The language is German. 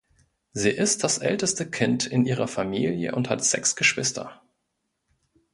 Sie ist das älteste Kind in ihrer Familie und hat sechs Geschwister.